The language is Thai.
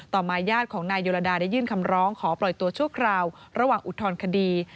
มาญาติของนายโยดาได้ยื่นคำร้องขอปล่อยตัวชั่วคราวระหว่างอุทธรณคดี